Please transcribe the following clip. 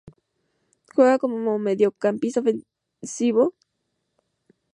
Juega como mediocentro ofensivo y su equipo actual es el Atlas Fútbol Club.